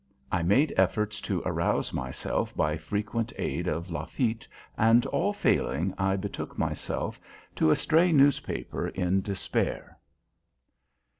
I made effort to arouse myself by frequent aid of Lafitte, and all failing, I betook myself to a stray newspaper in despair.